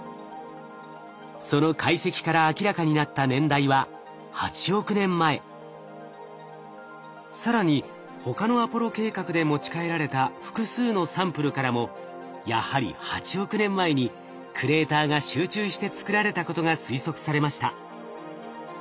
その解析から明らかになった年代は更に他のアポロ計画で持ち帰られた複数のサンプルからもやはり８億年前にクレーターが集中して作られたことが推測されました。